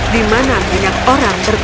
di mana banyak orang bergerak